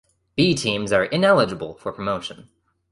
B Teams are ineligible for promotion.